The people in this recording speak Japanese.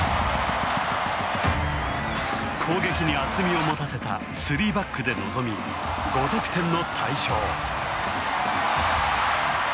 攻撃に厚みを持たせたスリーバックで臨み５得点の大勝。